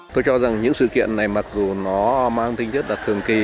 tôi cho rằng những sự kiện này mặc dù nó mang tinh thiết là thường kỳ